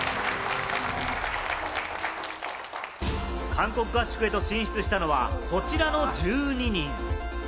韓国合宿へと進出したのは、こちらの１２人。